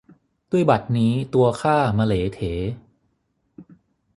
ด้วยบัดนี้ตัวข้ามะเหลเถ